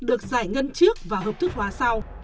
được giải ngân trước và hợp thức hóa sau